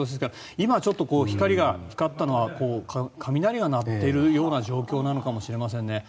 今、光が光ったのは雷が鳴っているような状況なのかもしれませんね。